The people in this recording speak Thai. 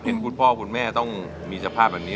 คุณพ่อคุณแม่ต้องมีสภาพแบบนี้